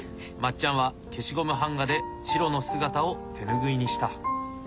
まっちゃんは消しゴム版画でチロの姿を手拭いにした。